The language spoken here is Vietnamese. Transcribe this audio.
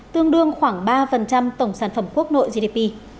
tương đương khoảng ba tổng sản phẩm quốc nội gdp